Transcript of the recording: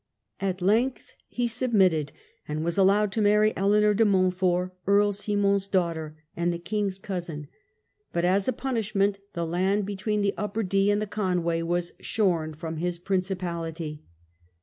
At length he submitted, and was allowed to marry Eleanor de Montfort, Earl Simon's daughter and the king's cousin. But as a punishment the land between the Upper Dee and the Conway was shorn from his principality.